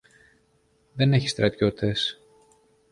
Δεν έχει στρατιώτες.